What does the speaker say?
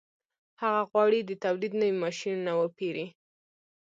هغه غواړي د تولید نوي ماشینونه وپېري